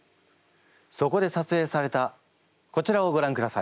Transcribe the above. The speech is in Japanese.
そこでさつえいされたこちらをごらんください。